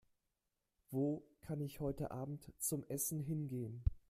Wo kann ich heute Abend zum Essen hingehen?